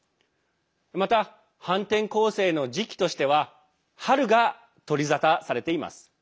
また、反転攻勢の時期としては春が取り沙汰されています。